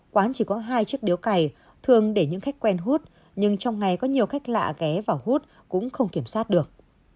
quán chỉ có hai chiếc điếu cày thường để những khách quen hút nhưng trong ngày có nhiều khách lạ ghé vào hút cũng không kiểm soát được